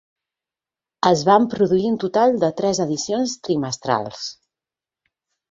Es van produir un total de tres edicions trimestrals.